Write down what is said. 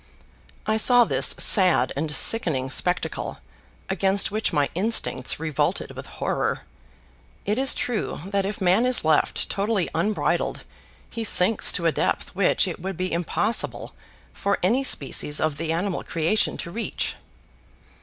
I saw this sad and sickening spectacle against which my instincts revolted with horror. It is true that if man is left totally unbridled, he sinks to a depth which it would be impossible for any species of the animal creation to reach.